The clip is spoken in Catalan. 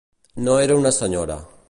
No era una senyora.